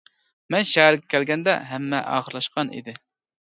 مەن شەھەرگە كەلگەندە، ھەممە ئاخىرلاشقان ئىدى.